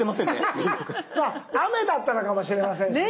雨だったのかもしれませんしね。